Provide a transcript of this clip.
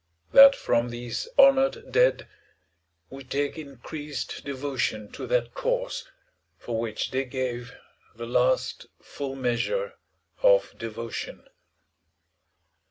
. .that from these honored dead we take increased devotion to that cause for which they gave the last full measure of devotion.